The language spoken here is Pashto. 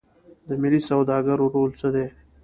د ملي سوداګرو رول څه دی؟